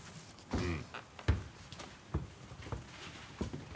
うん。